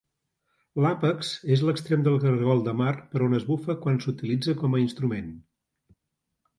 L'àpex és l'extrem del cargol de mar per on es bufa quan s'utilitza com a instrument.